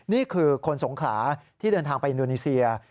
นี่คือคนสงขลาที่เดินทางไปอินโดนีเซีย